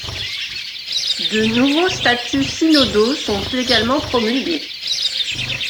De nouveaux statuts synodaux sont également promulgués.